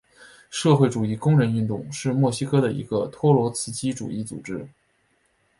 社会主义工人运动是墨西哥的一个托洛茨基主义组织。